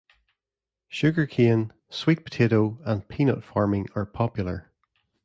Sugar cane, sweet potato, and peanut farming are popular.